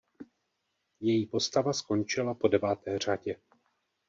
Její postava skončila po deváté řadě.